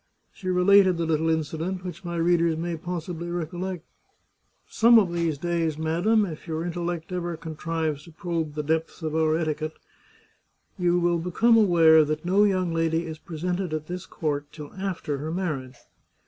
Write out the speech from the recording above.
She related the little incident, which my readers may possibly recollect. " Some of these days, madam — if your intellect ever contrives to probe the depths of our etiquette — you will become aware that no young lady is presented at this court till after her marriage.